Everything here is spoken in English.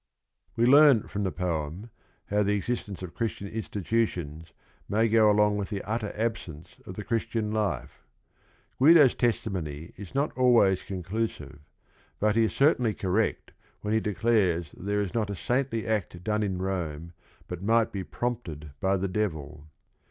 We learn from the poem how the existence of Chr istian institutions may go alo ng with the utter absence of the Christian lifeT Guido's testimony is not always conclusive, but he is certainly correct when he declares that there is not "a saintly act done in Rome, but might be prompted by the devil."